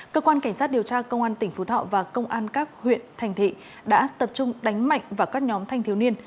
cơ quan cảnh sát điều tra công an tp hà nội và công an các huyện thành thị đã tập trung đánh mạnh vào các nhóm thanh thiếu niên